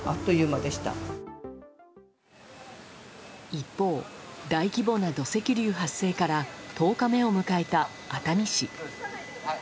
一方、大規模な土石流発生から１０日目を迎えた熱海市。